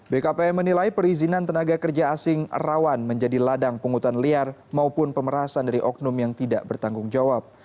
bkpm menilai perizinan tenaga kerja asing rawan menjadi ladang pungutan liar maupun pemerasan dari oknum yang tidak bertanggung jawab